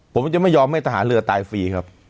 ผมจะไม่ยอมให้ทหารเรือตายฟรีครับ